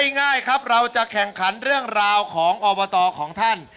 ง่ายครับเราจะแข่งขันเรื่องราวของอบตของท่าน